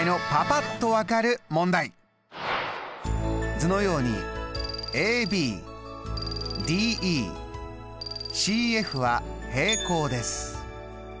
図のようにＡＢＤＥＣＦは平行です。